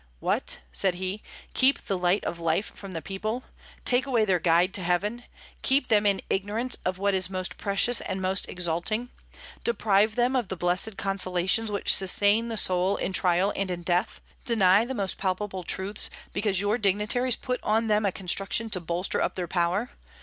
"What," said he, "keep the light of life from the people; take away their guide to heaven; keep them in ignorance of what is most precious and most exalting; deprive them of the blessed consolations which sustain the soul in trial and in death; deny the most palpable truths, because your dignitaries put on them a construction to bolster up their power!